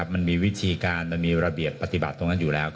มันมีวิธีการมีระเบียบปฏิบัติอยู่แล้ว